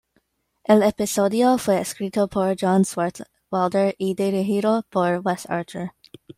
El episodio fue escrito por John Swartzwelder y dirigido por Wes Archer.